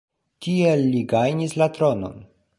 Tiel li gajnis la tronon.